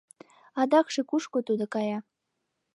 Адакше кушко тудо кая?